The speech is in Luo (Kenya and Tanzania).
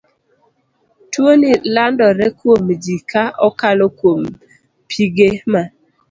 Tuo ni landore kuomji ka okalo kuom pige ma